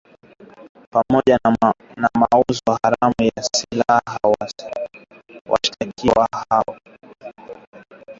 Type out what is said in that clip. Pamoja na mauzo haramu ya silaha, washtakiwa hao pia wanashtakiwa kwa uhalifu wa vita, kushiriki katika harakati za uasi na kushirikiana na wahalifu